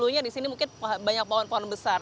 dulunya di sini mungkin banyak pohon pohon besar